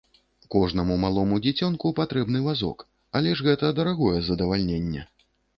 Кожнаму малому дзіцёнку патрэбны вазок, але ж гэта дарагое задавальненне.